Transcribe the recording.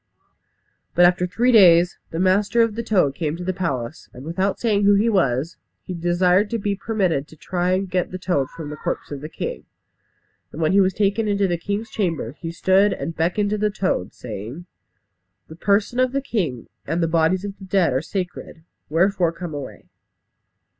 But after three days, the master of the toad came to the palace, and without saying who he was, he desired to be permitted to try and get the toad from the corpse of the king. And when he was taken into the king's chamber, he stood and beckoned to the toad, saying, "The person of the king and the bodies of the dead are sacred, wherefore come away."